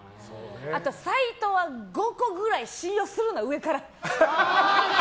あと、サイトは５個くらい信用するな、上から。